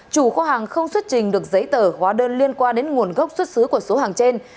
chủ kho hàng không xuất trình được giấy tờ hóa đơn liên quan đến nguồn gốc xuất xứ của số hàng trên